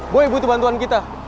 boy butuh bantuan kita